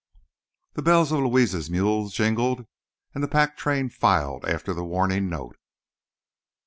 The bells of Luis's mule jingled and the pack train filed after the warning note.